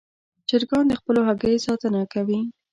چرګان د خپلو هګیو ساتنه کوي.